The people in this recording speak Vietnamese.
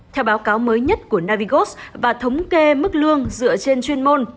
theo báo cáo mới nhất của navigos và thống kê mức lương dựa trên chuyên môn